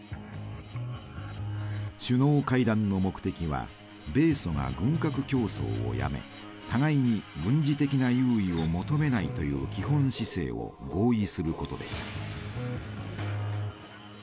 首脳会談の目的は米ソが軍拡競争をやめ互いに軍事的な優位を求めないという基本姿勢を合意することでした。